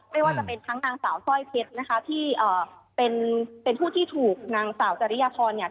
ไม่ว่าจะเป็นทั้งนางสาวสร้อยเพชรนะคะที่เป็นเป็นผู้ที่ถูกนางสาวจริยพรเนี่ย